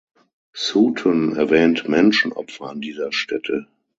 Sueton erwähnt Menschenopfer an dieser Stätte.